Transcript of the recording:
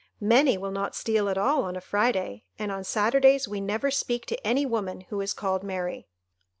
Many will not steal at all on a Friday, and on Saturdays we never speak to any woman who is called Mary."